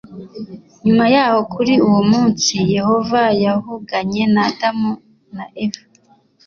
nyuma yaho kuri uwo munsi yehova yavuganye na adamu na eva